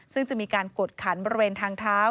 ซึ่งจะมีการกดขันบริเวณทางเท้า